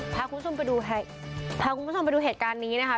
พาคุณผู้ชมไปดูพาคุณผู้ชมไปดูเหตุการณ์นี้นะคะ